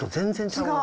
違う。